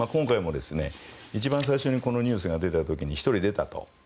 一番最初にこのニュースが出た時に１人出たと。